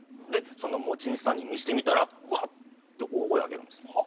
持ち主さんに見せてみたら「わっ！」って大声上げるんです。